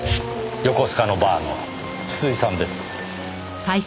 横須賀のバーの筒井さんです。